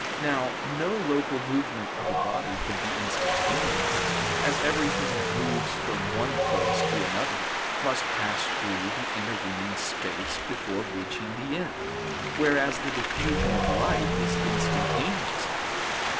Now no local movement of a body can be instantaneous, as everything that moves from one place to another must pass through the intervening space before reaching the end: whereas the diffusion of light is instantaneous.